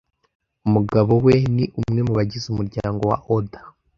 Umugabo we ni umwe mu bagize umuryango wa Oda.